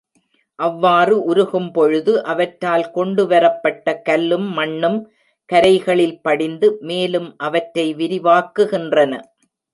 அவ்வாறு உருகும் பொழுது, அவற்றால் கொண்டுவரப்பட்ட கல்லும் மண்ணும் கரைகளில் படிந்து, மேலும் அவற்றை விரிவாக்குகின்றன.